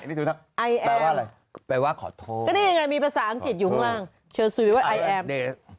ก็นี่ยังไงมีภาษาอังกฤษอยู่ข้างล่าง